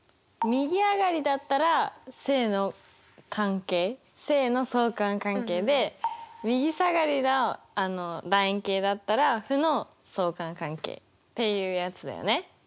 右上がりだったら正の相関関係で右下がりの楕円形だったら負の相関関係っていうやつだよね。